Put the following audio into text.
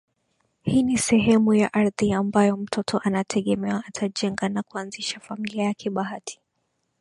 Hii ni sehemu ya ardhi ambayo mtoto anategemewa atajenga na kuanzisha familia yake Bahati